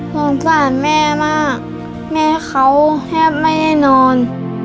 สงสารแม่มากแม่เขาแทบไม่ได้นอน